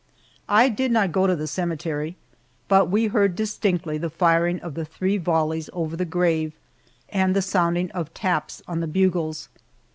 I did not go to the cemetery, but we heard distinctly the firing of the three volleys over the grave and the sounding of taps on the bugles.